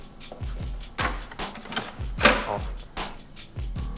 あっ。